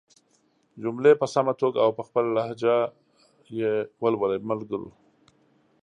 جملې په سمه توګه او په خپله لهجه ېې ولولئ ملګرو!